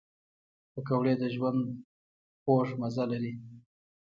پکورې د ژوند خوږ مزه لري